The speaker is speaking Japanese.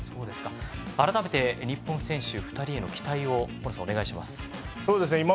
改めて、日本選手２人への期待を河野さん、お願いします。